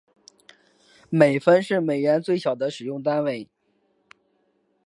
美分是美元最小的使用单位。